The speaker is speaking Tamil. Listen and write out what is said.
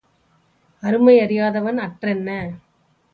அருமை அறியாதவன் அற்றென்ன?